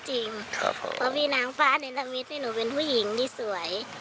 เพราะมีนางฟ้าในละมิดให้หนูเป็นผู้หญิงที่สวย